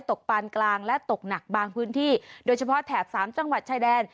ปานกลางและตกหนักบางพื้นที่โดยเฉพาะแถบสามจังหวัดชายแดน